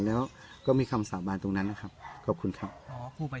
แล้วก็มีคำสาบานตรงนั้นนะครับขอบคุณครับ